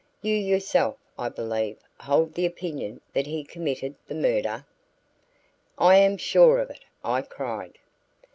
You, yourself, I believe, hold the opinion that he committed the murder?" "I am sure of it," I cried.